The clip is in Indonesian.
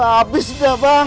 habis dah bang